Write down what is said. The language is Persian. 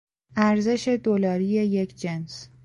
ارزش دلاری یک جنس